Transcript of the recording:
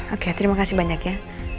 oke terima kasih banyak ya